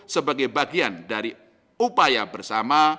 sebagai bagian dari upaya bersama